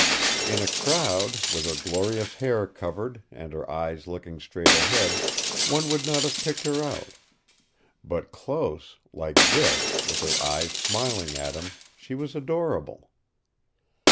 In a crowd, with her glorious hair covered and her eyes looking straight ahead, one would not have picked her out. But close, like this, with her eyes smiling at him, she was adorable.